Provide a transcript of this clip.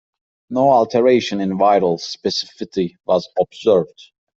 No alteration in viral specificity was observed.